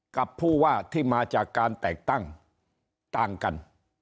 กับผู้ว่าที่มาจากการแต่งตั้งต่างกัน